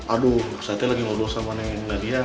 aduh saya lagi ngobrol sama dengan nadia